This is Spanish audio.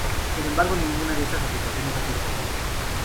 Sin embargo, ninguna de estas afirmaciones ha sido probada.